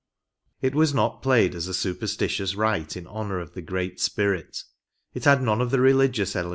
It was not played as a superstitious rite in honor of the Great Spirit; it had none of the religious element of the Grecian games.